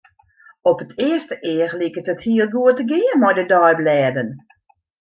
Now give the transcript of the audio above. Op it earste each liket it hiel goed te gean mei de deiblêden.